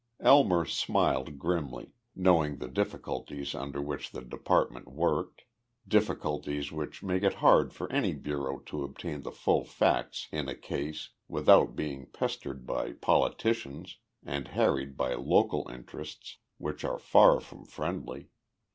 Elmer smiled grimly, knowing the difficulties under which the department worked, difficulties which make it hard for any bureau to obtain the full facts in a case without being pestered by politicians and harried by local interests which are far from friendly.